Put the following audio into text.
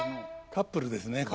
カップルですねこれね。